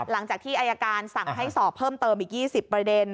หลังจากที่อายการสั่งให้สอบเพิ่มเติมอีก๒๐ประเด็น